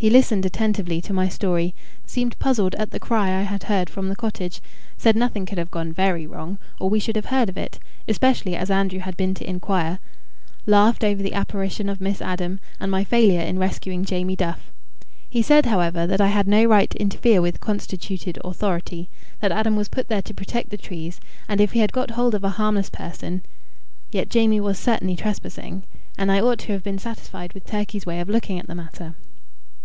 He listened attentively to my story, seemed puzzled at the cry I had heard from the cottage, said nothing could have gone very wrong, or we should have heard of it, especially as Andrew had been to inquire, laughed over the apparition of Miss Adam, and my failure in rescuing Jamie Duff. He said, however, that I had no right to interefere with constituted authority that Adam was put there to protect the trees, and if he had got hold of a harmless person, yet Jamie was certainly trespassing, and I ought to have been satisfied with Turkey's way of looking at the matter.